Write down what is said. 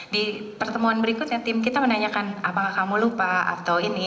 di pertemuan berikutnya tim kita menanyakan apakah kamu lupa atau ini